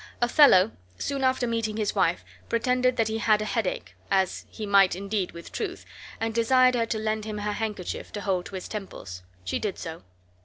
Othello, soon after meeting his wife, pretended that he had a headache (as he might indeed with truth), and desired her to lend him her handkerchief to hold to his temples. She did so.